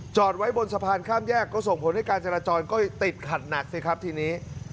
ไว้บนสะพานข้ามแยกก็ส่งผลให้การจราจรก็ติดขัดหนักสิครับทีนี้